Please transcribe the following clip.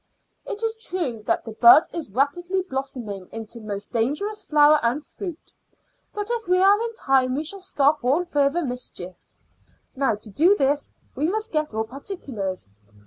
It is true that the bud is rapidly blossoming into most dangerous flower and fruit, but if we are in time we shall stop all further mischief. Now to do this we must get all particulars.